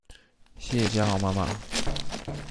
謝謝家豪媽媽